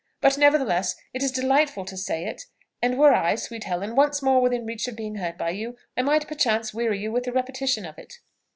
But, nevertheless, it is delightful to say it; and were I, sweet Helen, once more within reach of being heard by you, I might perchance weary you with the repetition of it.